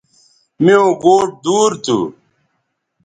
میوں گوٹ دور تھو